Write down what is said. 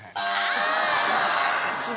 違う。